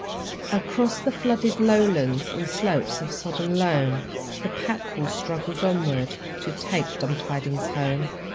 Across the flooded lowlands And slopes of sodden loam The pack horse struggles onward, To take dumb tidings home.